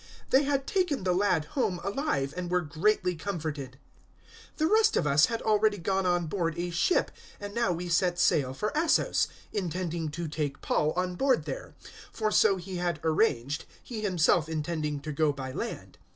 020:012 They had taken the lad home alive, and were greatly comforted. 020:013 The rest of us had already gone on board a ship, and now we set sail for Assos, intending to take Paul on board there; for so he had arranged, he himself intending to go by land.